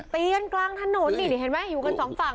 เตียงกลางถนนนี่เห็นไหมอยู่กันสองฝั่ง